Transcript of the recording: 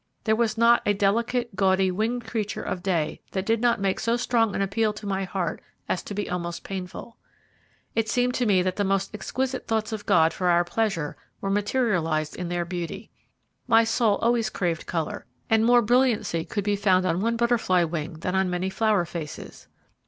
There was not a delicate, gaudy, winged creature of day that did not make so strong an appeal to my heart as to be almost painful. It seemed to me that the most exquisite thoughts of God for our pleasure were materialized in their beauty. My soul always craved colour, and more brilliancy could be found on one butterfly wing than on many flower faces.